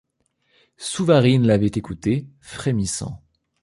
Souvarine l’avait écouté, frémissant.